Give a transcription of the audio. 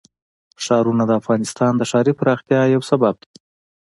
ښارونه د افغانستان د ښاري پراختیا یو سبب دی.